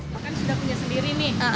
mereka kan sudah punya sendiri nih